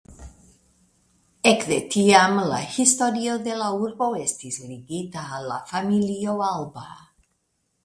Ekde tiam la historio de la urbo estis ligita al la familio Alba.